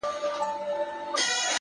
دا ډېوه به ووژنې _ ماته چي وهې سترگي _